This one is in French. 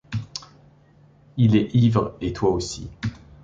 Il est ivre, et toi aussi.